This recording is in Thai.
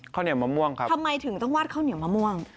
ข้าวเหนียวมะม่วงครับทำไมถึงต้องวาดข้าวเหนียวมะม่วง